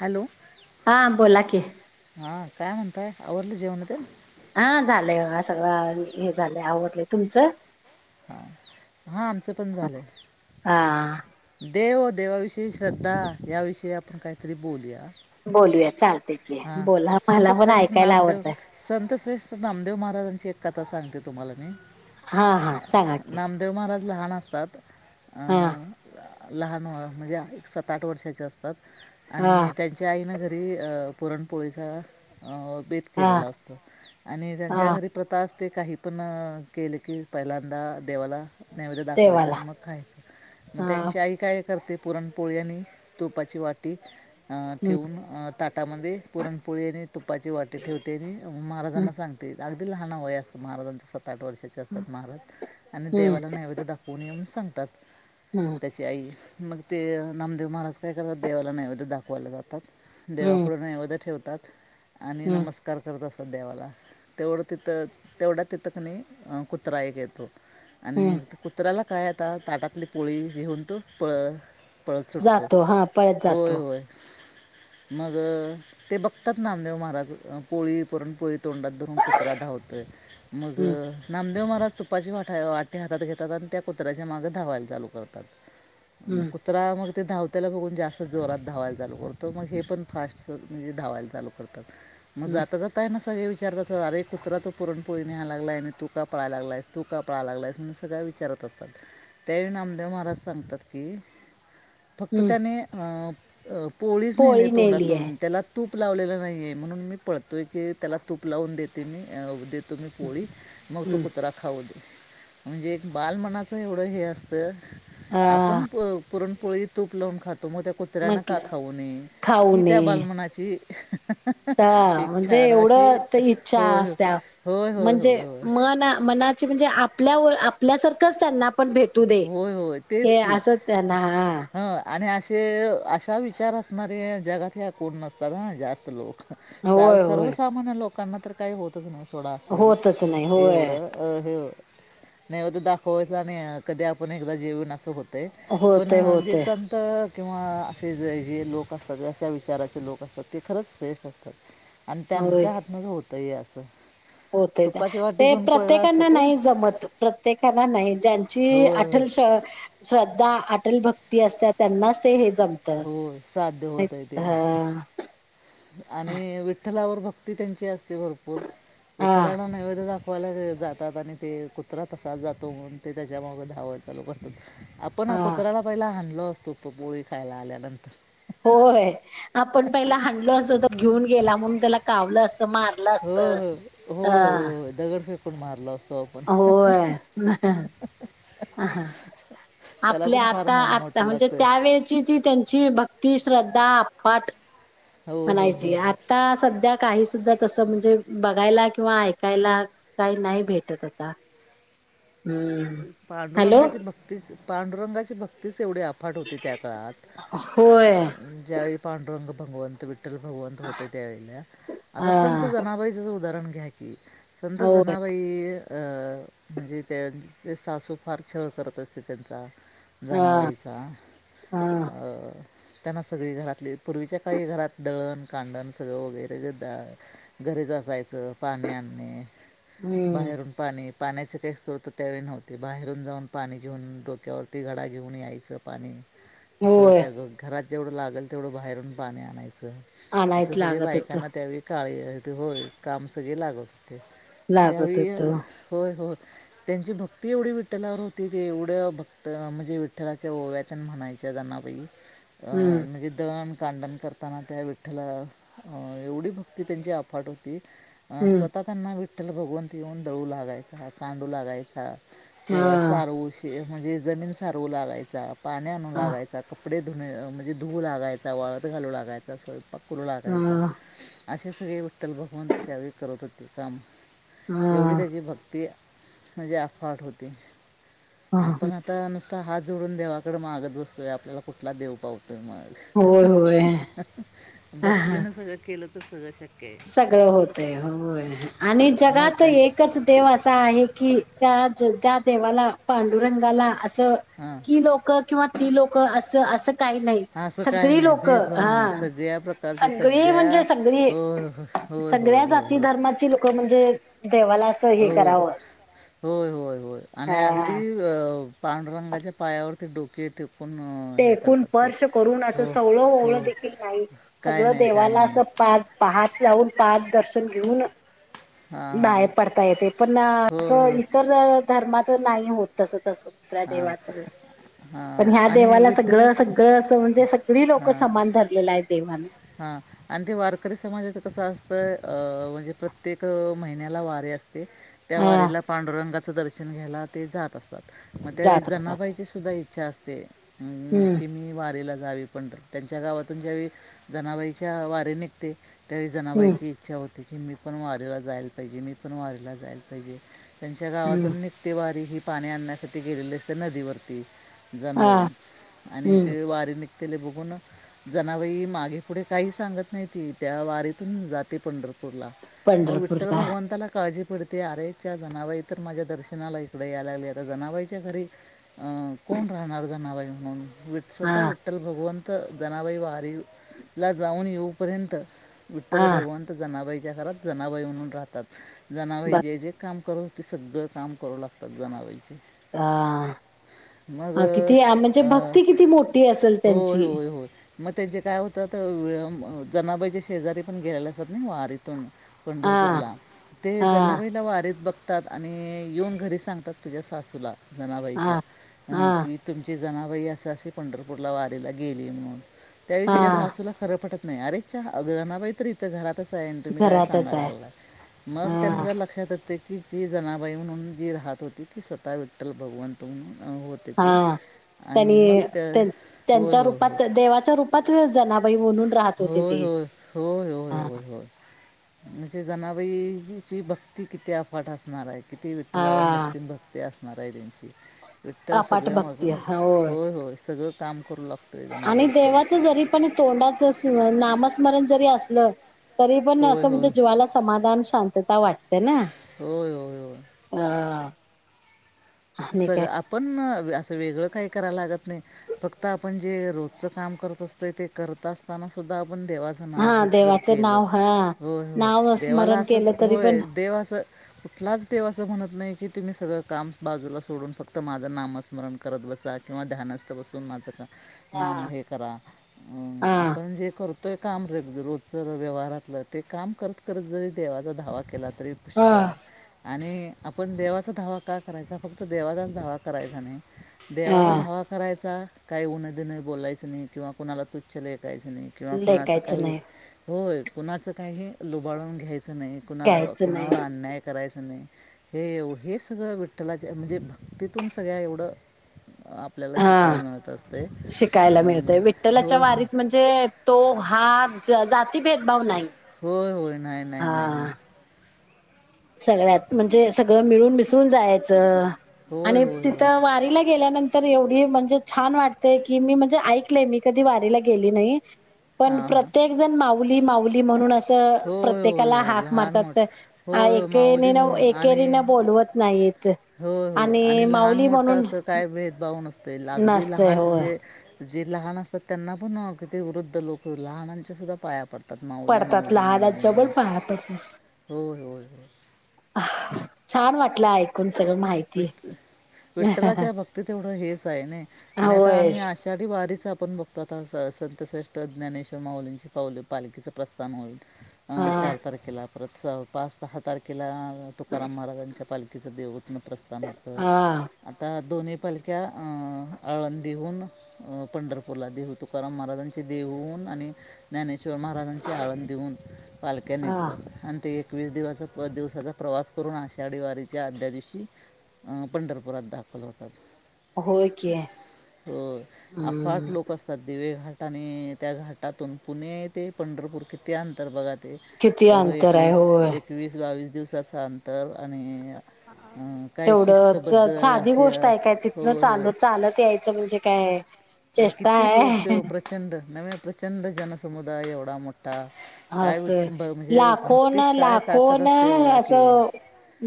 Hello हा बोला क हां काय म्हणंतय अरल जेवन ते हा झालंय ह सगळं हे झालंय आवडलंय तुमचं हा हा आमचं पण झालंय हा देव देवाविषयी श्रद्धा याविषयी आपण काहीतरी बोलूया बोलूया चाल हा संतश्रेष्ठ नामदेव आवडतंय संतश्रेष्ठ नामदेव महाराजांची एक कथा सांगते तुम्हाला मी हा हा सांगा की खूप लहान असतात हा लहान म्हणजे एक सात आठ वर्षाचे असतात आणि हा त्यांच्या आईन घरी पुरण पोळीचा बेत हा केलेलं असतो आणि त्यांच्या हा घरी प्रथा ते काही पण केले की पहिल्यांदा देवाला नैवेद्य दाखवायचं देवाला आणि मग खायचं मग हा त्यांची आई काय करते पुरणपोळ्यांंनी तुपाची वाटी हम्म ठेवून तटामध्ये पुरणपोळी आणि तुपाची वाटे ठेवते आणि हम्म महाराजांना सांगते अगदी लहान वय असतं महाराजांच्या सात आठ वर्षाचे असतात महाराज आणि हम्म देवाला नैवेद्य दाखवून येऊन सांगतात हम्म त्याची आई मग ते नामदेव महाराज काय करतात देवाला नैवेद्य दाखवायला जातात देवा हम्म ठेवतात आणि हम्म नमस्कार करतात देवाला तेवढं तिथं तेवढ्या तिथं कणी कुत्रा एक येतो आणि हम्म कुत्र्याला काय आता ताटातली पोळी घेऊन तू प पळत सुटतो जातो हा पळत होय जातो होय मग ते बघतात नामदेव महाराज पोळी पुरण पोळी तोंडात धरून कुत्रा धावतोय मग हम्म देव महाराज तुपाची वा वाटी हातात घेतात आणि त्या कुत्र्याच्या मागे धवायला चालू करतात हम्म कुत्रा मग ते धावतला बघून जास्त जोरात धावायला चालू करतो मग हे पण फास्ट म्हणजे धावायला चालू करतात मग हम्म जाता जात न सगळे विचारतात अे कुत्र तू पुरणपोळी न्याय लालाय आणि तू का पळाला लागलास तू का पळाय लागलास म्हण सगळ विचारत असतात त्याही नामदेव महाराज सांगतात की फक्त हम्म त्याने अ पोळीच नाहीे पोळी नेली आहे तोंडातून त्याला तूप लावलेलं नाही आहे म्हणून मी पळतो आहे की त्याला तूप लावून देते मी देत तु म्ही पोळी मग तो हम्म कुत्रा खाऊ दे म्हणजे एक बालमनाचं एवढं हे असतं हा आपण पुरणपोळी तूप लावून खातो मग त्या कुत्र्यांना का म्हटलं खाऊ नये ही त्या बालमनाची ह एक म्हणजे छान अशी एवढं इच्छा होय असत्या होय होय म्हणजे होय होय होय मन मनाचे म्हणजे आपल्यावर आपल्यासारखंच त्यांना पण भेटू दे. होय होय तेच हे की असंच त्यांना ह आणि ते अशा विचार असणारे जगात या कोण नसतात ह जास्त लोक हा होय होय सर्वसामान्य लोकांना तर काही होतच नत सोडा असं होतच नाही होय. एवढं अ हे नाही हो तर दाखवायच आणि कधी आपण एकदा जेवण अस होतय पण होतय जे होतय संत किंवा असे जे जे लोक असतात अशा विचाराचे लोक असतात ते खरंच श्रेष्ठ असतात आणि होय त्यांच्या हातन होतंय असं होतय तुपाची वाटी ते घेऊन पळला असतो प्रत्येकना कोण नाही जमत प्रत्येकाना नाही ज जे होय अटल श्रद्धा अटल भक्ती असत त्यांनाच ते जमत होय साध्य होतंय ते आणि विठ्ठलावर भक्ती त्यांची असते भरपूर हा विठ्ठलाना नैवेद ला जातात आणि ते कुत्रा तसाात जातो म्हणून ते त्याच्यामागं धावळ चालू करतात आपण हा कुत्र्याला पहिला हाणलो असतो पोळी खायला आल्यानंतर होय आपण पहिला हडलो असतो तर घेऊन गेला म्हणून त्याला कावलं असत मारलं हो असत अ पण मारला असतो आपण होय अ हा त्याला आपल्या पण फार आता मन आता मोठं म्हणजे लागतं त्यावेळची ती त्यांची ती श्रद्धा आपाट होय होय होय म्हणायची होय आता सध्या काही सुद्धां तस म्हणजे बघायला किंवा ऐकायला काही नाही भेटत आता काय हम्म हॅलो पांडुरंगाची भक्तीच पांडुरंगाची भक्तीच तेवढी अफाट होती त्या काळात होय ज्यावेळी पांडुरंग भगवंत विठ्ठल जेव्हा भगवंत होते त्यावेळेला आता हा संत जनाबाईचच उदाहरण घ्या कि संत होय जनाबाई अ अ म्हणजे त्यां ते सासू फार छळ करत असते त्यांचा आ हा जनाबईचा हा अ त्यांना सगळी घरातली पूर्वीच्या काही घरात दळण कांडण सगळं वगैरे दळण गरेज असते जायच पाणी आणणे हम्म बाहेरून पाणी पाण्याच पैसे त्यावेळी नव्हते बाहेरून जाऊन पाणी घेऊन डोक्यावरती घडा घेऊन यायचं पाणी अस होय विचारतात घरात जेवढं लागेल तेवढं बाहेरून पाणी आणायचं असं आणायच सगळे लागत होत बायकांना त्यावेळी काळी होय काम सगळे लागत होत लागत त्यावेळी होत होय हो हो त्यांची भक्ती एवढी विठ्ठलावर होती ते एवढ्या भक्त म्हणजे विठ्ठलाच्या ओव्यातून म्हणायच्या जनाबाई अ हम्म म्हणजे देवान कांडन करताना त्या विठ्ठलावर एवढी भक्ती त्यांची अफाट होती अं हम्म स्वतः त्यांना विठ्ठल भगवंत येऊन दळू लागायचा कांडू लागायचा हा सारवू श म्हणजे जमीन सारवू लागायचा पाणी आणू हा लागायचा कप कपडे धु म्हणजे धुवू लागायचा वाळत घालू लागायचा स्वयंपाक करू लागायचा हा असे सगळे विठ्ठल भगवंत त्यावेळी करत हो ते काम एवढी त्याची भक्ती म्हणजे अफाट होते आपण हा आता नुस तो हात जोडून देवाकडे मागत बसतोय आपल्याला कुठला देव पावतो हम् होय हम् होय मग हा हा भक्तीन सगळं केलं तर सगळं शक्य आहे सगळं होतय होय आणि मग जगात काय एकच देव असा आहे की त्या जेवत्या देवाला पांडुरंगाला असं हां कि लोक किंवा ती लोक असं असं काही नाही असं काय सगळी नाही लोकं भेदभाव हा नाही अ सगळ्या प्रकारची सगळी सगळ्या म्हणजे सगळी होय होय होय सगळ्यां होय जाती धर्माची लोक म्हणजे देवाला असं हे हो करावं होय होय होय आणि अगदी हा अ होय पांडुरंगाच्या पायावरती डोके ठेवले पण हे टेकून करतात ते स्पर्श करून असं हो सवळं हो ओवळं काय नाही काय नाही पा पहाट लावून पाठ दर्शन घेऊन हां हां बाहेर पडता येत पण होय असं होय इतर धर्मात पण नाही होत तस त दुसऱ्या हां देवाच हां पण हा आणि देवाला सगळं विठ्ठलाच सगळं असं म्हणजे सगळी लोक समान धरलेली आहेत देवान हा आणि ते वारकरी समाजाच कस असतंय हो ओ अ अम्हणजे प्रत्येक महिन्याला वारीे असते त्या हा वारीला पांडुरंगा दर्शन घ्यायला ते जात असतात मग त्यावेळी जात असतात जनाबाईची सुद्धां इच्छा असते ह हम्म कि मी वारीला जावे पर्यत त्यांच्या गावातून ज्यावे जनाबाईच्या वारी निघते त्यावेळी हम्म जनाबाईची इच्छा होते की मी पण वारीला जायला पाहिजे मी पण वारीला जायला पाहिजे त्यांच्या हम्म गावातून निघते वारी ही पाणी आणण्यासाठी गेलेले असते नदीवरती हा जनाबाई आणि हम्म ते वारी त्याना बघून जनाबाई मागे हम् पुढे काही सांगत नाही त त्या वारीतून जाते पंढरपूर थोरला मग विठ्ठल पंढरपूरला भगवंताला काळजी पडती त्या अरेच्या जनाबाई तर माझ्या दर्शनाला इकडें यायला लागली आता जनाबाईच्या घरी कोण राहणार जााणार जनाबाई म्हणून वि हा स्वतः विठ्ठल भगवंत जनाबाई वारी ला जाऊन येऊपर्यंत हा विठ्ठल भगवंत जनाबाईच्या घरात जनाबाई म्हणून राहतात जनाबाई बघ जे जे काम करत ते सगळं काम करू लागतात जनावरा चे हा ह किती म्हणजे अं, भक्ती किती मोठी असेल होय त्यांची? होय होय मग त्यांचे काय होतं जनाबाईचे शेजारी पण गेलेले असतात ना वारी इथून हा पंढरपूरला ते हा जनाबाईला वारीत बघ आणि येऊन घरी सांगतात तुझ्या सासूला हा जनाबाईच्या हा कि तुमच्या अस अ पंढरपूरला वारीला गेली म्हणून तरी हा तिच्या सासूला पटत नाही अरे अरेच्या इथं घरात आहे तुम्ही काय घरातच सांगायला आहे लागलात, मग त्यांना हा जर लक्षात येत की जी जनाबाई म्हणून जी राहत होती ती स्वतः विठ्ठल भगवंत म्हणून अं, होते ती हा आणि मग त्यांनी त्या होय त्यांच्या होय रूपात देवाच्या रूपात जनाबाई म्हणून राहत होते होय ते. होय होय हा होयय होय म्हणजे जनाबाई ची भक्ती किती अफाट असणार आहे किती विठ्ठलावर हा, निस्सीम भक्ती असणार आहे त्यांची विठ्ठल अपाट सगळं माग भक्ती होय, होय सगळं काम करू लागत आणि देवाच जरी पण तोंडाच नामस्मरण जरी असलं तरी पण होय असं म्हणजे होय जीवाला समाधान शांतता वाटते ना? हो. अ आणि सगळ काय आपण असं वेगळं काही करायला लागत नाही फक्त आपण जे रोजचं काम करत असतंय ते करत असताना सुद्धा आपण देवाचं नाव हा घेत जर देवाचं केलं, नाव हा होय होय नाव देवाला स्मरण असंच केलं तरी पण होय देव असं कुठलाच देव असं म्हणत नाही की तुम्ही सगळं काम बाजूला सोडून फक्त माझं नामस्मरण करत बसा किंवा ध्यानास्थ बसून माझं काम हा ना मग हे करा हा आपण जे करत तो काम र रोजच व्यवहारातलं ते काम करत करत जरी देवाचा धावा केला त हा पुष्कळ आणि आपण देवाचा धावा का करायचा फक्त देवाचाच धावा करायचा नाही देवाचा हा, धावा काय करायचा? काही उनद नाही बोलायचं नाही किंवा कोुणाला तुच्छ लेखायचं नाही किंवा कुणाच लेकायचं काही नाही होय कुणाच काही लुबाडून घ्यायचं नही. नाही कुणाला घ्यायचं नाही कुणावर अन्याय करायचं नाही, हेव हे सगळं विट्टल लाच्या म्हणजे भक्तीतून सगळ्या एवढं आपल्याला हा शिकायला मिळत असतं. शिकायला मिळतय विठ्ठलाच्या होय वारीत म्हणजे तो हा जाति भेद नाही होय होय नाही हा नाही नाही नाही सगळ्यात म्हणजे सगळं मिळून मिसरून जायचं होय आणि होय होय तिथं वारीला गेल्यानंतर तर एवढी म्हणजे छान वाटते की, मी म्हणजे ऐकलेय मी कधी वारीला गेली नाही पण हां हां प्रत्येक जण माऊली माऊली म्हणून असं होय होय प्रत्येकाला होय हाक लहान मोठ मारतात. हा होय होय एकेरी माऊली न म्हणून आणि एकेरी न बोलवत नाहीत. होय हो आणि लहान माऊली मोठं म्हणून असं काय भेदभाव नसत अगदी नसतय लहान होय जे जे लहान असतात त्यांना पण कि वृद्ध लोक लहानांच्या सुद्धा पाया पडतात माऊली पडतात माऊली माऊली लहानाच्या पण म्हणून पाया पडतात होय होय हो. छान वाटलं ऐकून सगळं माहिती विठ विठ्ठलाच्या भक्तीत तेवढं हेच आहे नाइ आणि आता होय आम्ही आषाढी वारीत आपण बघतो आता संतश्रेष्ठ ज्ञानेश्वर माउलींचे पाउल पालखीचं प्रस्थान होईल. अ हा चार तारखेला परत, पाच सहा तारखेला तुकाराम महाराजांच्या पालखिचे देवतन प्रस्थान होत, हा आता दोन्ही पालक्या आळंदिहून पंढरपूरला देऊ तुकाराम महाराजांचे देहूंवून- आणि ज्ञानेश्वर महाराजांची आळंदीहून पालक्या हा निघतात आणि ते एक एकवीस दिवचा पद दिवसाचा प्रवास करून आषाढी वारीच्या आदल्यादिवशी पंढरपुरात दाखल होतात होय की हो अफाट हम्म लोक असतात, दिवेघाट आणि त्या घाटातून पुणे ते पंढरपूर कि त्या अंतर्भगात ते किती एवढं अंतर आहे एकवीस होय एकवीस बावीस दिवसाचं अंतर आणि अं, काय तेवढ शिस्तबद्ध साधी अशी गोष्ट आहे काय तिथन होय होय चाल चालत यायचं म्हणजे काय ह आणि किती लोक ते प्रचंड नवे प्रचंड जनसमुदाय एवढा मोठा काय असं म्हणजे लाखोन भक्तीत काय ताकद लाखोन असते बघा की असं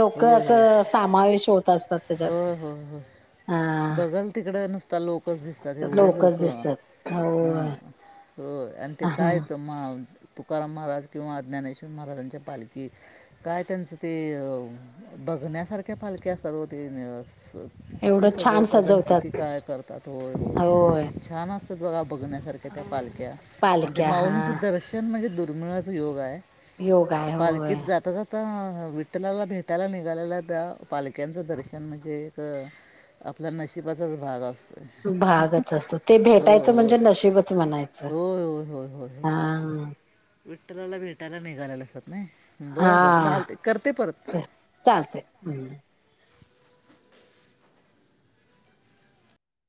लोक होय होय असं समावेश होत असतात त्याच्यात होय होय होय बघल तिकड नुसत लोकच दिसतात एवढी लोक लोकच हा दिसतात होय हो आणि ते काय त म तुकाराम महाराज किंवा ज्ञानेश्वर महाराजांच्या पालखी काय त्यांचं ते बगण्यासारख्या पालखी असतात र तीनस किती एवढं छान सजवतात आणि किती काय करतात होय होय छान असतात बघा बघण्यासारख्या त्या पालख्या आणि ते पालक्या माऊलींचं हा दर्शन म्हणजे दुर्मिळाच योग आहे योग आहे होय पालखीत जाता जाता विठ्ठलाला भेटायला निघालेल्या त्या पालक्यांचं दर्शन म्हणजे एक आपल्या नशिबाचाच भाग असतो भागच असतो ते होय भेटायचं होय म्हणजे नशबच म्हणायचं हा हम विठ्ठला भेटायला निघालालाचवत नाही बरं बर हा चालते करते परत चालतंय हम्म